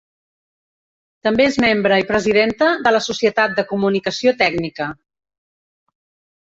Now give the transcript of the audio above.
També és membre i presidenta de la Societat de Comunicació Tècnica.